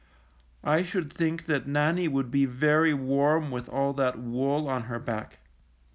I should think that Nannie would be very warm with all that wool on her back.